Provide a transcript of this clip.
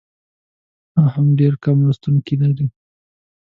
او هم ډېر کم لوستونکي لرو.